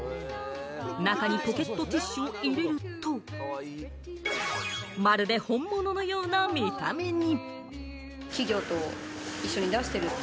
中にポケットティッシュを入れると、まるで本物のような見た目に。